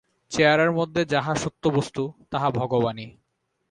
চেয়ারের মধ্যে যাহা সত্যবস্তু, তাহা ভগবানই।